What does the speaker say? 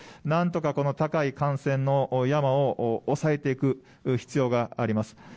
なんとかこの高い感染の山を抑えていく必要があります。